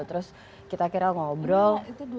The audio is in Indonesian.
terus kita akhirnya ngobrol